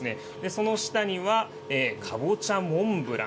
その下にはかぼちゃモンブラン。